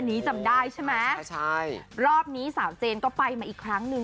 นี้จำได้ใช่ไหมไม่ใช่รอบนี้สาวเจนก็ไปมาอีกครั้งหนึ่ง